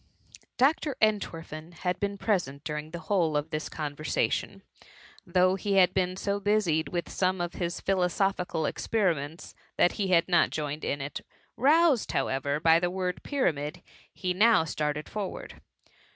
^ Dr. Entwerfen had been present during the whole of this conversation, though he had been so busied with some philosophical experiments, that he had not joined in it ; roused, however, by the word " pyramid," be now started for ward.